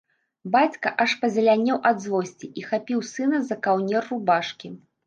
Бацька аж пазелянеў ад злосці і хапіў сына за каўнер рубашкі.